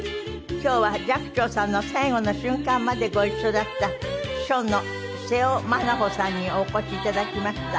今日は寂聴さんの最期の瞬間までご一緒だった秘書の瀬尾まなほさんにお越しいただきました。